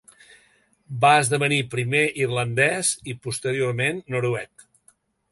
Va esdevenir primer irlandès i posteriorment noruec.